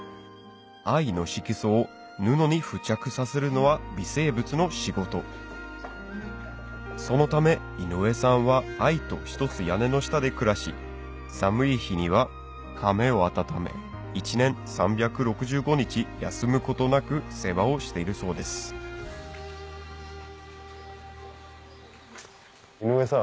藍の色素を布に付着させるのは微生物の仕事そのため井上さんは藍と一つ屋根の下で暮らし寒い日にはかめを温め一年３６５日休むことなく世話をしているそうです井上さん